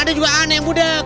ada juga aneh budeg